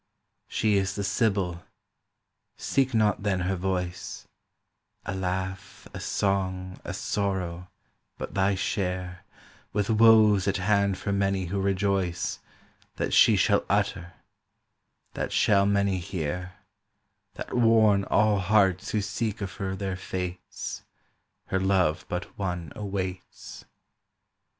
She is the Sibyl; seek not, then, her voice;—A laugh, a song, a sorrow, but thy share, With woes at hand for many who rejoiceThat she shall utter; that shall many hear; That warn all hearts who seek of her their fates, Her love but one awaits.